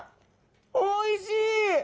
おいしい！